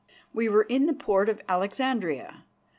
We were in the port of Alexandria.